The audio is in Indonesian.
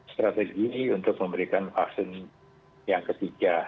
strategi untuk memberikan vaksin yang ketiga